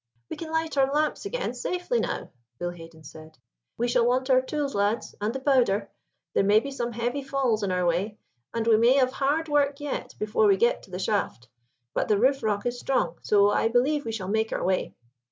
"We can light our lamps again safely now," Bill Haden said. "We shall want our tools, lads, and the powder; there may be some heavy falls in our way, and we may have hard work yet before we get to the shaft, but the roof rock is strong, so I believe we shall make our way."